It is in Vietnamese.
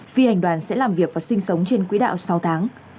phi hành đoàn sẽ làm việc và sinh sống trên quỹ đạo sáu tháng